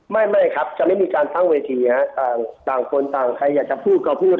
ไม่ไม่ครับจะไม่มีการตั้งเวทีฮะต่างคนต่างใครอยากจะพูดก็พูด